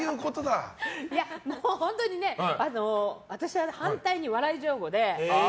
本当に、私は反対に笑い上戸で